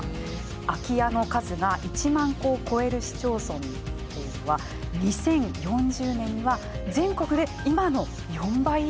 空き家の数が１万戸を超える市町村っていうのは２０４０年には全国で今の４倍以上になると予想されているんです。